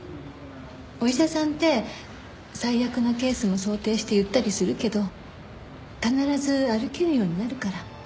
お医者さんって最悪なケースを想定して言ったりするけど必ず歩けるようになるから。